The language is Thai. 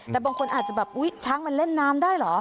แต่บางคนอาจจะแบบอุ๊ยช้างมันเล่นน้ำได้เหรอ